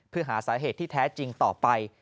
เพื่อหาสาเหตุที่แท้จริงต่อไป